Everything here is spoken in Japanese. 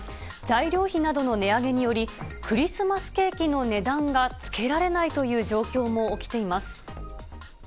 材料費などの値上げにより、クリスマスケーキの値段がつけられないという状況も起きています。